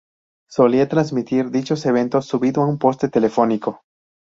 Solía trasmitir dichos eventos subido a un poste telefónico.